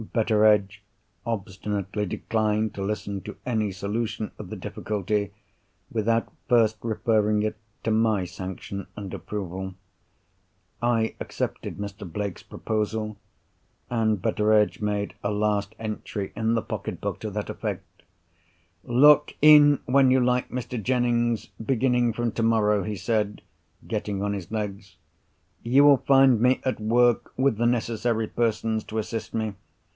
Betteredge obstinately declined to listen to any solution of the difficulty, without first referring it to my sanction and approval. I accepted Mr. Blake's proposal; and Betteredge made a last entry in the pocket book to that effect. "Look in when you like, Mr. Jennings, beginning from tomorrow," he said, getting on his legs. "You will find me at work, with the necessary persons to assist me.